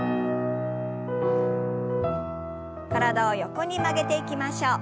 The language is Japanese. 体を横に曲げていきましょう。